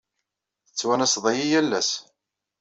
Tettwanaseḍ-iyi yal ass.